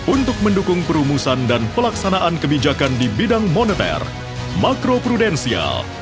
untuk mendukung perumusan dan pelaksanaan kebijakan di bidang moneter makro prudensial